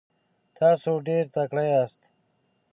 تاسو ډیر تکړه یاست.